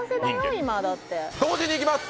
今だって同時にいきます